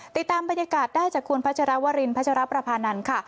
ติดตามบรรยากาศได้จากคุณพัชรวรินพัชรประพานันทร์ค่ะ